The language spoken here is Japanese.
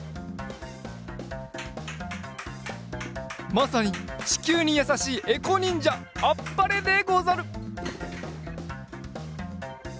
まさにちきゅうにやさしいエコにんじゃあっぱれでござる！